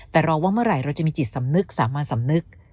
แต่รอว่าเมื่อไหร่เราจะมีจิตสำนึกสามัญสำนึก